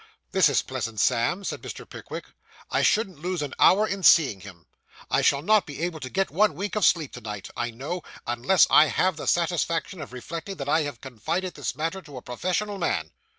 'This is pleasant, Sam,' said Mr. Pickwick; 'I shouldn't lose an hour in seeing him; I shall not be able to get one wink of sleep to night, I know, unless I have the satisfaction of reflecting that I have confided this matter to a professional man.